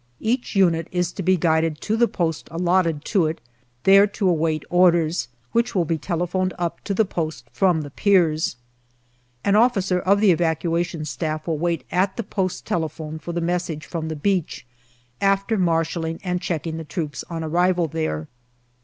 Each unit is to be guided to the post allotted to it, there to await orders, which will be telephoned up to the post from the piers. An officer of the Evacuation Staff will wait at the post telephone for the message from 19 290 GALLIPOLI DIARY the beach, after marshalling and checking the troops on arrival there.